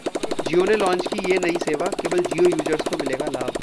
Jio ने launch की ये नई सेवा, केवल जियो यूजर्स को मिलेगा लाभ